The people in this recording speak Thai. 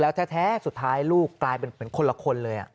แล้วแท้สุดท้ายลูกกลายเป็นเหมือนคนละคนเลย